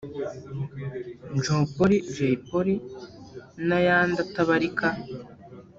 Njopoli[Jay Polly] n’ayandi atabarika